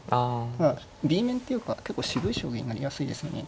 ただＢ面っていうか結構渋い将棋になりやすいですよね。